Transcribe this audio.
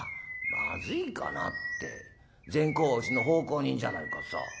「『まずいかな？』って善公はうちの奉公人じゃないかさ」。